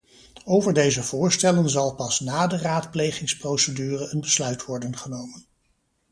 Over deze voorstellen zal pas na de raadplegingsprocedure een besluit worden genomen.